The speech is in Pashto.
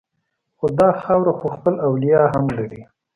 خو دا خاوره خو خپل اولیاء هم لري